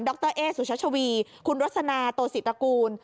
ดรเอ๊ะสุชชวีคุณลักษณะโตศิริปรากูล